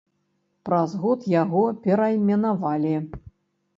Праз год яго перайменавалі.